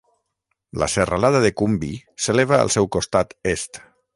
La serralada de Kumbi s'eleva al seu costat est.